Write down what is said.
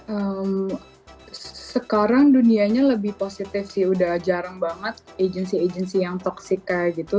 eee sekarang dunianya lebih positif sih udah jarang banget agency agensi yang toxic kayak gitu